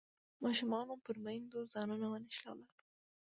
ماشومانو پر میندو ځانونه ونښلول.